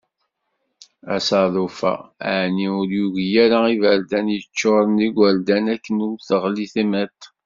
Asaḍuf-a aɛni ur yugi ara iberdan yeččuren d igurdan akken ur teɣli timiṭ?